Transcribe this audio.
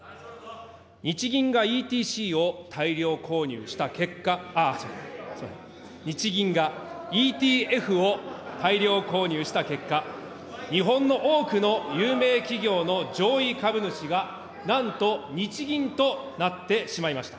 日銀がＥＴＣを大量購入した結果、すみません、日銀がＥＴＦを大量購入した結果、日本の多くの有名企業の上位株主が、なんと日銀となってしまいました。